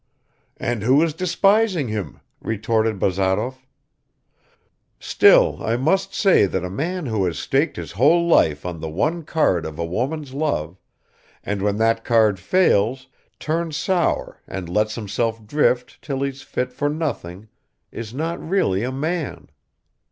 "And who is despising him?" retorted Bazarov. "Still, I must say that a man who has staked his whole life on the one card of a woman's love, and when that card fails, turns sour and lets himself drift till he's fit for nothing, is not really a man.